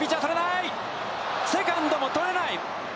セカンドも捕れない。